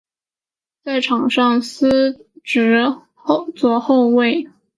在场上司职左后卫。